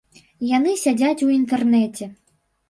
Яны сядзяць у інтэрнэце.